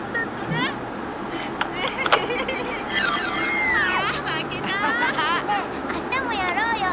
ねえあしたもやろうよ。